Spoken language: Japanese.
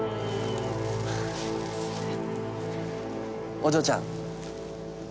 お嬢ちゃん。